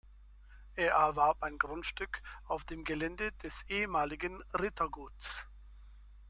Er erwarb ein Grundstück auf dem Gelände des ehemaligen Rittergutes.